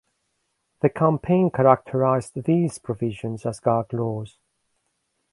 The campaign characterised these provisions as "gag laws".